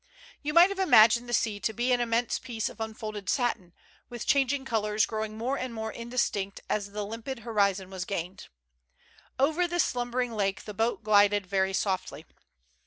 You might have imagined the sea to be an immense piece of unfolded satin, with changing colors growing more and more indistinct as the lim pid horizon was gained. Over this slumbering lake the boat glided very softly.